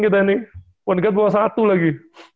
gitu ya nih one game bawah satu lagi